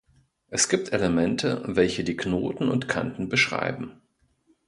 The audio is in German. Es gibt Elemente, welche die Knoten und Kanten beschreiben.